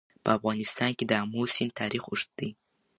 په افغانستان کې د آمو سیند تاریخ اوږد دی.